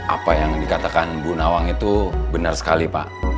apa yang dikatakan bu nawang itu benar sekali pak